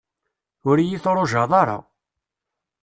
Ur iyi-trujaḍ ara.